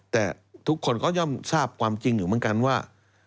แต่ทุกคนก็ย่อมทราบความจริงอยู่เหมือนกันว่า